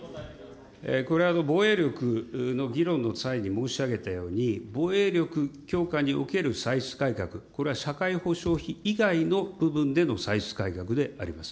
これは防衛力の議論の際に申し上げたように、防衛力強化における歳出改革、これは社会保障費以外の部分での歳出改革であります。